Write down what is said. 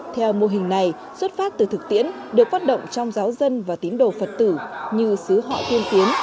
theo mô hình này xuất phát từ thực tiễn được phát động trong giáo dân và tín đồ phật tử như xứ họ tiên tiến